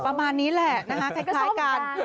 ประมาณนี้แหละนะคะคล้ายกัน